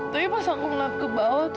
tapi pas aku ngelap ke bawah tuh